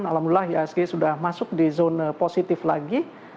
alhamdulillah ihsg sudah masuk di zona positif lagi